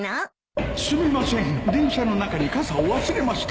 すみません電車の中に傘を忘れました